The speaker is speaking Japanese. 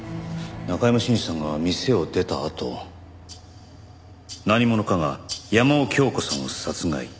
中山信二さんが店を出たあと何者かが山尾京子さんを殺害。